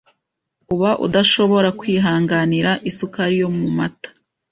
uba udashobora kwihanganira isukari yo mu mata